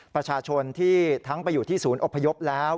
ประชาชนที่ทั้งไปอยู่ที่ศูนย์อพยพแล้ว